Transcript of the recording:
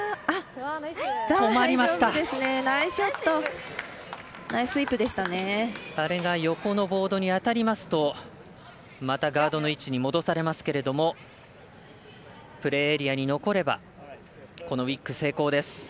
あれが横のボードに当たりますとまたガードの位置に戻されますけれどもプレーエリアに残ればこのウィック成功です。